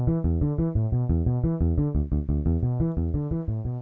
hati hati di jalan